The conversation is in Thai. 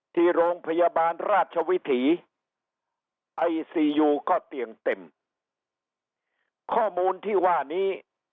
ที่โรงพยาบาลราชวิถีไอซียูก็เตียงเต็มข้อมูลที่ว่านี้